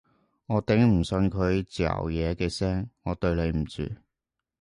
我頂唔順佢嚼嘢嘅聲，我對你唔住